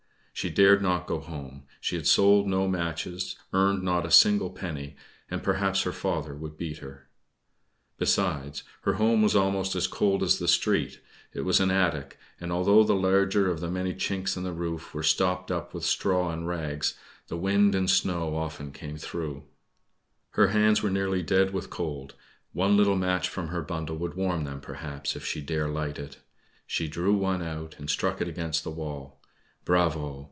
She dared not go home, she had sold no matches, earned not a single penny, and perhaps her father would beat her. Besides her home was almost as cold as the street it was an attic; and although the larger of the many chinks in the roof were stopped up with straw and rags, the wind and snow often came through. Her hands were nearly dead with cold; one little match from her bundle would warm them, perhaps, if she dare light it. She drew one out, and struck it against the wall. Bravo!